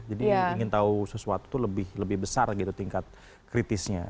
ingin tahu sesuatu itu lebih besar gitu tingkat kritisnya